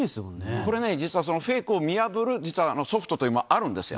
これね、実はそのフェイクを見破る、実はソフトというものもあるんですよ。